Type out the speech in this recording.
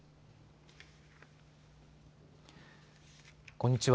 こんにちは。